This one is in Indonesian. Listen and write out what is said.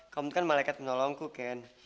kamu kan malaikat penolongku ken